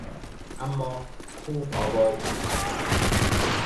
اما خوب آواز میخواند.